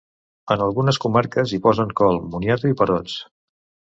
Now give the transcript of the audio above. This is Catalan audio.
En algunes comarques hi posen col, moniato i perots.